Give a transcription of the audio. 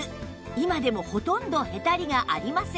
今でもほとんどへたりがありません